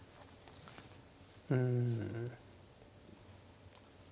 うん。